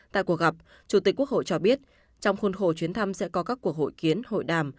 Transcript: tại cuộc gặp chủ tịch quốc hội cho biết trong khuôn khổ chuyến thăm sẽ có các cuộc hội kiến hội đàm